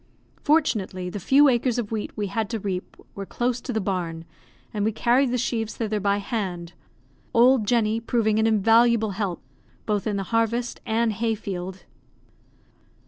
Fortunately, the few acres of wheat we had to reap were close to the barn, and we carried the sheaves thither by hand; old Jenny proving an invaluable help, both in the harvest and hay field.